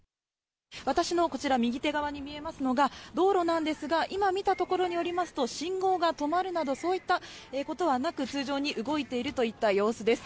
私のこちら右手側に見えますのが道路なんですが、今見たところによりますと、信号が止まるなど、そういったことはなく、通常に動いているといった様子です。